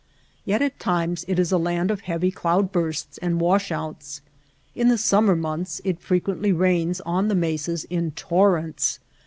* Yet at times it is a land of heavy cloud bursts and wash outs. In the summer months it fre quently rains on the mesas in torrents.